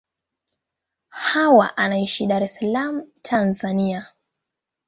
Hawa anaishi Dar es Salaam, Tanzania.